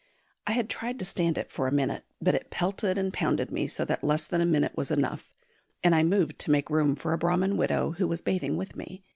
I had tried to stand it for a minute, but it pelted and pounded me so that less than a minute was enough, and I moved to make room for a Brahman widow who was bathing with me.